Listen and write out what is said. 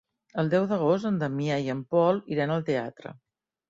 El deu d'agost en Damià i en Pol iran al teatre.